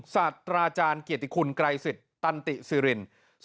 ๑สัตว์ราชาญเกียรติคุณไกรสิทธิ์ตันติศิรินทร์